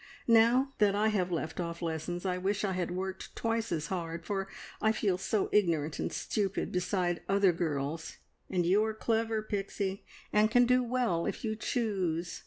Now that I have left off lessons I wish I had worked twice as hard, for I feel so ignorant and stupid beside other girls; and you are clever, Pixie, and can do well if you choose.